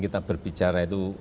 kita berbicara itu